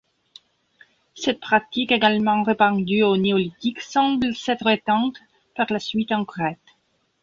Cette pratique, également répandue au Néolithique, semble s'être éteinte par la suite en Crète.